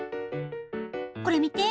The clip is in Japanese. これ見て！